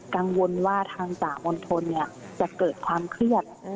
กังวลว่าทางจามนทนเนี่ยจะเกิดความเครียด